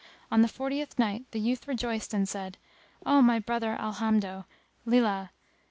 On the fortieth night[FN#272] the youth rejoiced and said, "O my brother, Alhamdo, lillah!